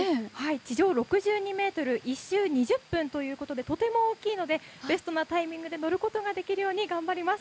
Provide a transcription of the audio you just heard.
地上６２ｍ、１周２０分ということで、とても大きいのでベストなタイミングで乗ることができるように頑張ります。